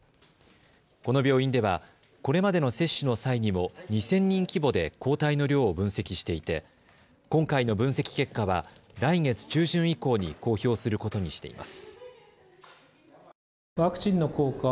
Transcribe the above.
この病院ではこれまでの接種の際にも２０００人規模で抗体の量を分析していて今回の分析結果は来月中旬以降に公表することにしています。